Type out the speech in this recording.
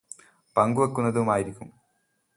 പങ്കു വയ്ക്കുന്നതുമായിരിക്കും